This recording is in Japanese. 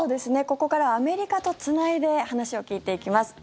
ここからはアメリカとつないで話を聞いていきます。